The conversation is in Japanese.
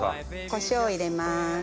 コショウを入れます。